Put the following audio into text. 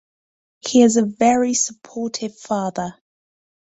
He's a very supportive father.